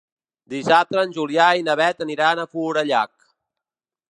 Dissabte en Julià i na Beth aniran a Forallac.